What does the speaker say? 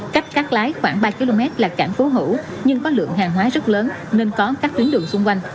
cách cát lái khoảng ba km là cảng cố hữu nhưng có lượng hàng hóa rất lớn nên có các tuyến đường xung quanh